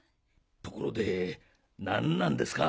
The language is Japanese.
ところで何なんですか